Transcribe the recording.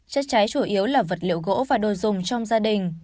chất cháy chủ yếu là vật liệu gỗ và đồ dùng trong gia đình